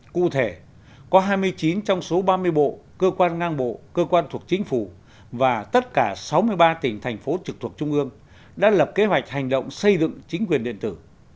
cụ thể có hai mươi chín trong số ba mươi bộ cơ quan ngang bộ cơ quan thuộc chính phủ và tất cả sáu mươi ba tỉnh thành phố trực thuộc trung ương đã lập kế hoạch hành động xây dựng chính quyền điện tử